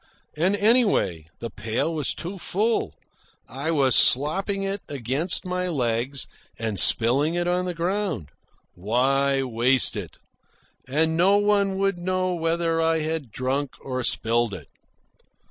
And, anyway, the pail was too full. I was slopping it against my legs and spilling it on the ground. Why waste it? And no one would know whether I had drunk or spilled it.